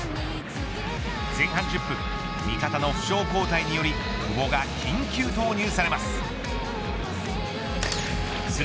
前半１０分味方の負傷交代により久保が緊急投入されます。